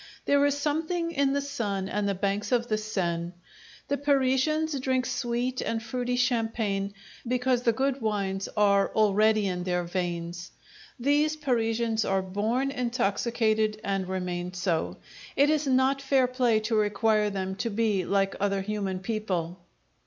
There is something in the sun and the banks of the Seine. The Parisians drink sweet and fruity champagne because the good wines are already in their veins. These Parisians are born intoxicated and remain so; it is not fair play to require them to be like other human people.